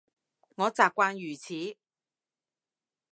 我習慣如此